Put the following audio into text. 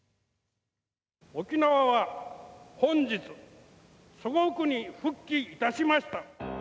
沖縄は本日祖国に復帰いたしました。